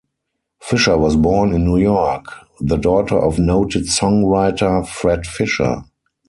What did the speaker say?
Fisher was born in New York, the daughter of noted songwriter Fred Fisher.